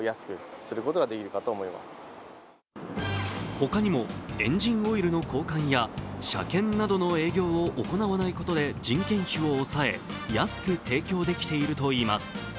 他にも、エンジンオイルの交換や車検などの営業を行わないことで人件費を抑え安く提供できているといいます。